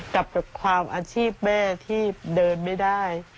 กับความอาชีพแม่ที่เดินไม่ได้